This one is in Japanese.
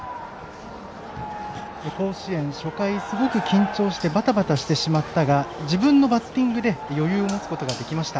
甲子園、初回、すごく緊張してバタバタしてしまったが自分のバッティングで余裕を持つことができました。